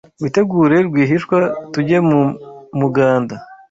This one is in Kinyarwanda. Witegure rwihishwa tujye mu muganda